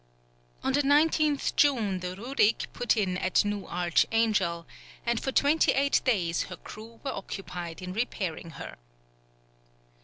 On the 19th June the Rurik put in at New Archangel, and for twenty eight days her crew were occupied in repairing her.